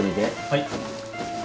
・はい。